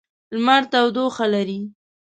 لمر تودوخه لري.